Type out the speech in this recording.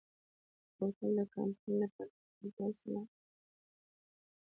بوتل د کمپاین لپاره تخنیکي وسیله ده.